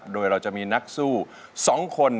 โดยเราจะมีนักสู้๒คน